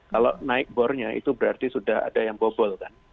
kalau naik bornya itu berarti sudah ada yang bobol kan